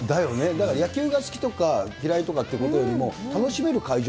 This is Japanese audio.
だから野球が好きとか嫌いとかってことよりも、楽しめる会場